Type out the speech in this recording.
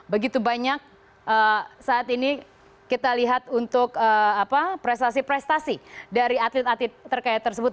begitu banyak saat ini kita lihat untuk prestasi prestasi dari atlet atlet terkaya tersebut